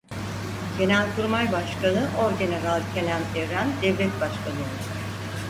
Genelkurmay Başkanı Orgeneral Kenan Evren devlet başkanı oldu.